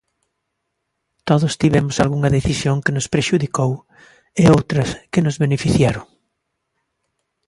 Todos tivemos algunha decisión que nos prexudicou e outras que nos beneficiaron.